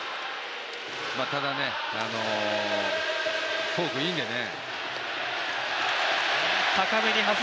ただ、フォークいいんでね。